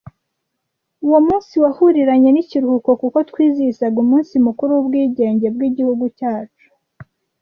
Uwo munsi wahuriranye n’ikiruhuko kuko twizihizaga umunsi mukuru w’ubwigenge bw’Igihugu cyacu